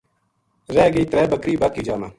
رِہ گئی ترے بکری بَر کی جا ما